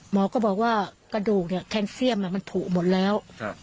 หมอก็บอกว่ากระดูกเนี่ยแคนเซียมมันผูกหมดแล้ว